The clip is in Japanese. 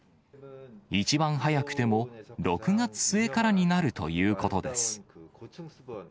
一番早くても、６月末からになるということです。